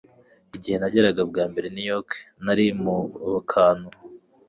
Igihe nageraga bwa mbere i New York, nari mu kantu.